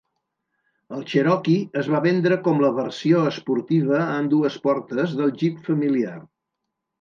El Cherokee es va vendre com la versió "esportiva" en dues portes del Jeep familiar.